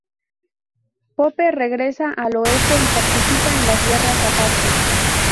Pope regresa al oeste y participa en las Guerras Apaches.